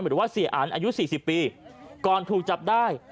หรือว่าเสียอันอายุ๔๐ปีก่อนถูกจับได้